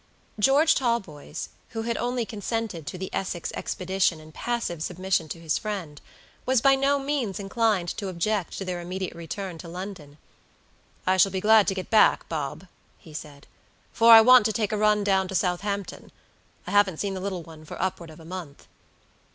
George Talboys, who had only consented to the Essex expedition in passive submission to his friend, was by no means inclined to object to their immediate return to London. "I shall be glad to get back, Bob," he said, "for I want to take a run down to Southampton; I haven't seen the little one for upward of a month."